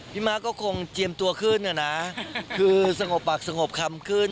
ม้าก็คงเจียมตัวขึ้นนะคือสงบปากสงบคำขึ้น